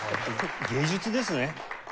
芸術ですね。